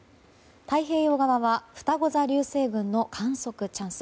太平洋側はふたご座流星群の観測チャンス。